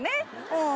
うん。